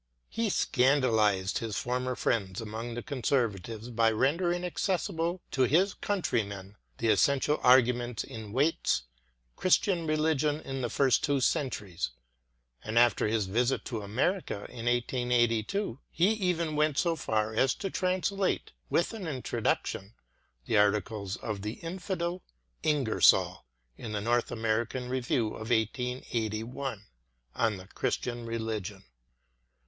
He scandalized his former friends among the conserva tives by rendering accessible to his countrymen the essential arguments in Waite's Christian Religion in the First Two Centuries; and, after his visit to America in 1882, he even went so far as to translate, with an introduction, the articles of the infidel" Ingersoll in the North American Eeview of 1881, on The Christian Religion.